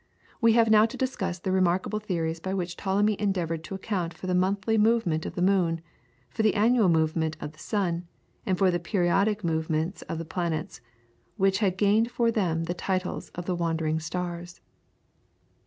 We have now to discuss the remarkable theories by which Ptolemy endeavoured to account for the monthly movement of the moon, for the annual movement of the sun, and for the periodic movements of the planets which had gained for them the titles of the wandering stars.